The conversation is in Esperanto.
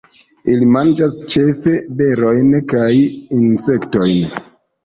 Ili manĝas ĉefe berojn kaj insektojn.